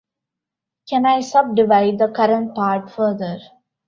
Can I subdivide the current part further?